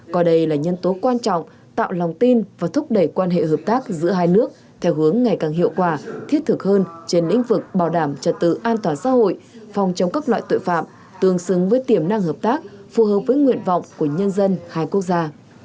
coi đây là nhân tố quan trọng tạo lòng tin và thúc đẩy quan hệ hợp tác giữa hai nước theo hướng ngày càng hiệu quả thiết thực hơn trên lĩnh vực bảo đảm trật tự an toàn xã hội phòng chống các loại tội phạm tương xứng với tiềm năng hợp tác phù hợp với nguyện vọng của nhân dân hai quốc gia